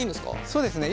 そうですね。